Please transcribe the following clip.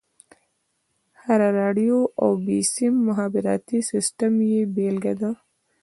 هره راډيو او بيسيم مخابراتي سيسټم يې بېلګه ده.